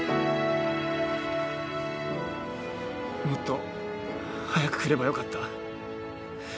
もっと早く来ればよかった。